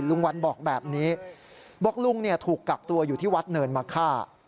ลุงวันบอกแบบนี้บอกลุงถูกกักตัวอยู่ที่วัดเนินมะค่า